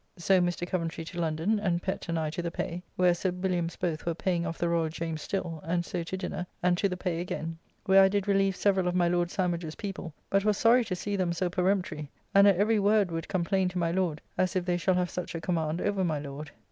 So Mr. Coventry to London, and Pett and I to the Pay, where Sir Williams both were paying off the Royal James still, and so to dinner, and to the Pay again, where I did relieve several of my Lord Sandwich's people, but was sorry to see them so peremptory, and at every word would, complain to my Lord, as if they shall have such a command over my Lord.